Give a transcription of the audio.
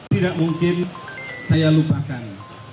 tidak mungkin saya lupakan